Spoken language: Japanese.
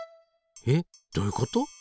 えっどういうこと？